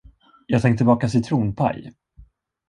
Jag tänkte baka citronpaj.